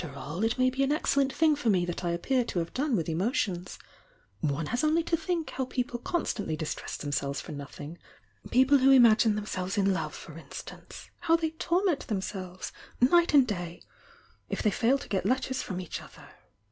A/T T°" """^t not worry about me in the least dpnr lor me that I appear to have done with emotions' One has only to think how people constantlv riil tress themselves for nothing I'^Xple who" marine themse ves in love, for instaT>ce ! how they ZmZ themselves night and day! if they fa 1 t^ Jt W ters from each other!